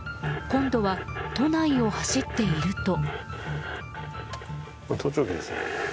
今度は都内を走っていると。